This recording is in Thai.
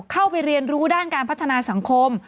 เข้าไปเรียนรู้ด้านการพัฒนาสังคม